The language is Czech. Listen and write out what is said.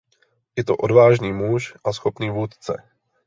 Je to odvážný muž a schopný vůdce.